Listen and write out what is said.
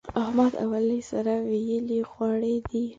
احمد او علي سره ويلي غوړي دي.